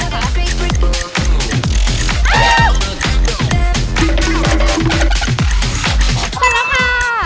เสร็จแล้วค่ะ